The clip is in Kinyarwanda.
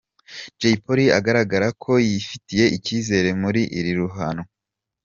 Jay Polly agaragara ko yifitiye icyizere muri iri ruhanwa.